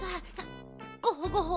ゴホゴホ！